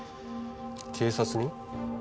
警察に？